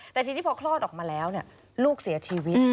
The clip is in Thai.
แต่ทีนี้พอคลอดออกมาแล้วลูกเสียชีวิต